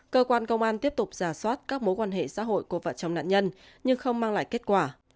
cơ quan công an tiếp tục giả soát các mối quan hệ xã hội của vợ chồng nạn nhân nhưng không mang lại kết quả